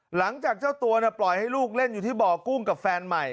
หลังจากเจ้าตัวปล่อยให้ลูกเล่นอยู่ที่บ่อกุ้งกับแฟนใหม่